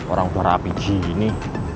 orang tua rapi gini